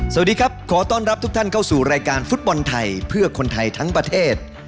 สวัสดีครับขอต้อนรับทุกท่านเข้าสู่รายการฟุตบอลไทยเพื่อคนไทยทั้งประเทศ